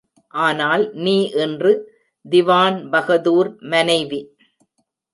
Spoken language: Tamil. ஆனால் நீ இன்று திவான்பகதூர் மனைவி.